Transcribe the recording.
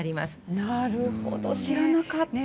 なるほど、知らなかった。